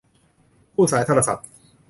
คู่สายโทรศัพท์